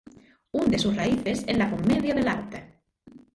Hunde sus raíces en la "Commedia dell'Arte".